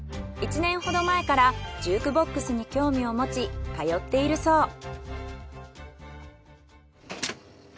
１年ほど前からジュークボックスに興味を持ち通っているそう。